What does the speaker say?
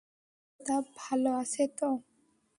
প্রতাপ ভালো আছে তো?